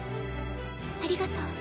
ありがとう。